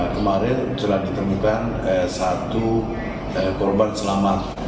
kemarin telah ditemukan satu korban selamat